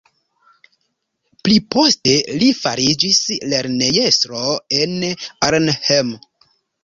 Pliposte li fariĝis lernejestro en Arnhem.